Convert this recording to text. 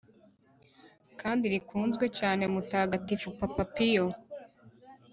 kandi rikunzwe cyane mutagatifu papa piyo